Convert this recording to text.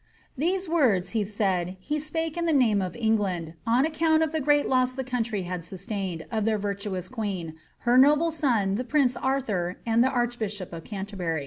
Theie words, he laid, he ipake in the name of England, on aocoant of ths great loss the country bad sustained, of that virtuous queen, her noble son, the prince Arthur, and the Archbishop of Canterbury."